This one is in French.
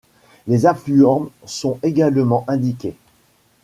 Les affluents sont également indiqués.